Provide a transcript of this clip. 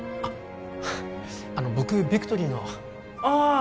あの僕ビクトリーのああ！